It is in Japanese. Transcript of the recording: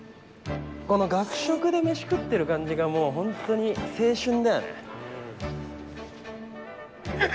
この学食で飯食ってる感じがもう本当に青春だよね。